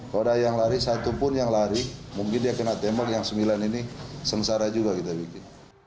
kalau ada yang lari satupun yang lari mungkin dia kena tembak yang sembilan ini sengsara juga kita bikin